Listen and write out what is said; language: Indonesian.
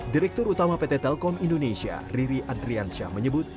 direktur utama pt telkom indonesia riri adrian syah menyebut